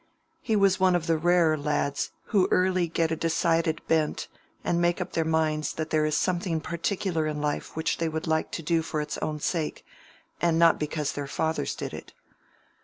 He was one of the rarer lads who early get a decided bent and make up their minds that there is something particular in life which they would like to do for its own sake, and not because their fathers did it.